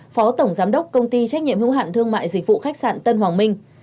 phó tổng giám đốc công ty trách nhiệm hữu hạn thương mại dịch vụ khách sạn tân hoàng minh